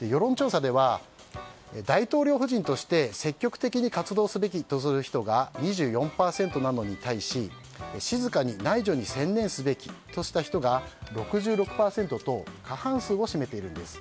世論調査では大統領夫人として積極的に活動すべきとする人が２４％なのに対し静かに内助に専念すべきとした人が６６％と過半数を占めているんです。